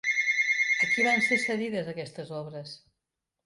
A qui van ser cedides aquestes obres?